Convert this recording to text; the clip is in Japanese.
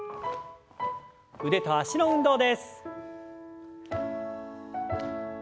腕と脚の運動です。